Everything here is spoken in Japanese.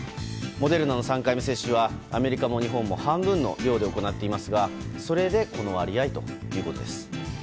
モデルナの３回目接種はアメリカも日本も半分の量で行っていますがそれで、この割合ということです。